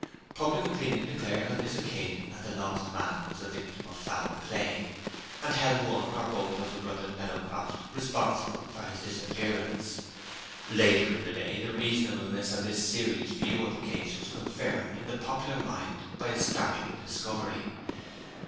Public opinion declared on this occasion that the lost man was the victim of foul play, and held one or both of the brothers Meadowcroft responsible for his disappearance. Later in the day, the reasonableness of this serious view of the case was confirmed in the popular mind by a startling discovery.